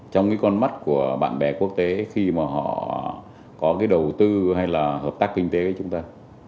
trong cái con mắt của bạn bè quốc tế khi mà họ có cái đầu tư hay là hợp tác kinh tế với chúng ta